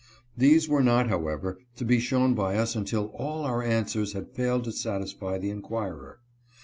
These were not, however, to be shown by us until all our answers had failed to satisfy the inquirer.